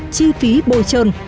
chi phí bôi trơn